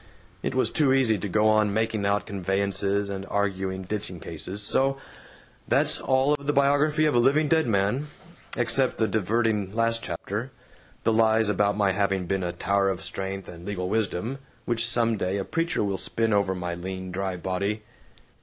It was too easy to go on making out conveyances and arguing ditching cases. So That's all of the biography of a living dead man, except the diverting last chapter, the lies about my having been 'a tower of strength and legal wisdom' which some day a preacher will spin over my lean dry body."